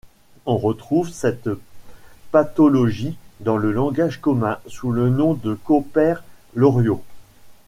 On retrouve cette pathologie dans le langage commun sous le nom de compère-Loriot.